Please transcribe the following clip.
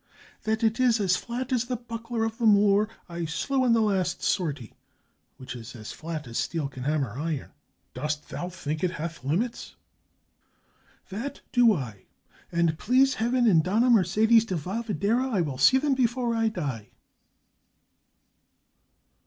"That it is as fiat as the buckler of the Moor I slew in the last sortie, which is as flat as steel can hammer iron." "Dost thou think it hath limits?" " That do I — and please Heaven and Dona Mercedes de Valverde, I will see them before I die!"